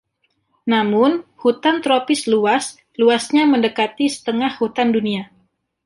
Namun, Hutan Tropis luas, luasnya mendekati setengah hutan dunia.